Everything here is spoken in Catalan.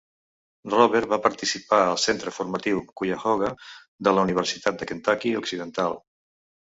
Robert va participar al Centre Formatiu Cuyahoga de la Universitat de Kentucky Occidental.